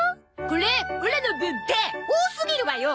これオラの分。って多すぎるわよ！